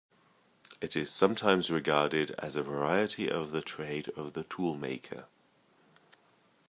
It is sometimes regarded as a variety of the trade of the toolmaker.